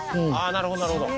なるほどなるほど。